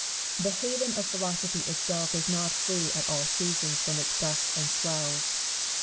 The haven of philosophy itself is not free at all seasons from its gusts and swells.